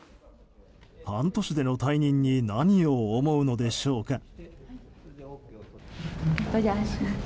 半年での退任に何を思うのでしょうか。